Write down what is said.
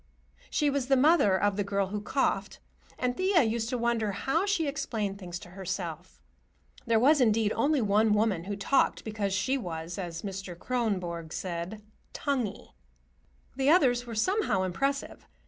She was the mother of the girl who coughed, and Thea used to wonder how she explained things to herself. There was, indeed, only one woman who talked because she was, as Mr. Kronborg said, "tonguey." The others were somehow impressive.